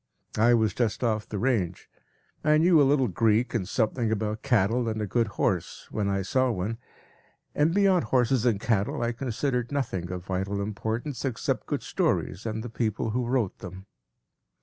I was just off the range; I knew a little Greek and something about cattle and a good horse when I saw one, and beyond horses and cattle I considered nothing of vital importance except good stories and the people who wrote them.